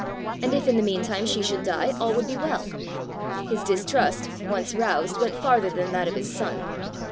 And if in the meantime she should die, all would be well! His distrust, once roused, went farther than that of his son.